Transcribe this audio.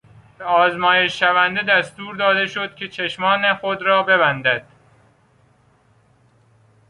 به آزمایش شونده دستور داده شد که چشمان خود را ببندد.